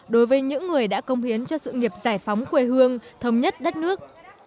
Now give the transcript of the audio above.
đối với những người đã công hiến cho sự nghiệp giải phóng quê hương thống nhất đất nước